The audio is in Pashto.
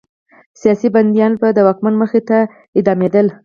سیاسي بندیان به د واکمن مخې ته اعدامېدل.